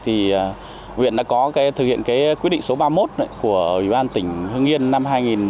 huyện đã thực hiện quyết định số ba mươi một của ubnd tỉnh hương yên năm hai nghìn một mươi sáu